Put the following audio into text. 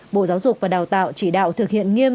bộ giáo dục và đào tạo chỉ đạo thực hiện nghiêm